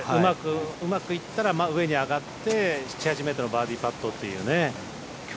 うまくいったら上に上がって７８ｍのバーディーパットというね。